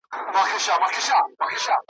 یو رنګینه هنګامه وه